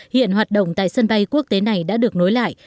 hiện hoạt động tại sân bay quốc tế này đã được nối lại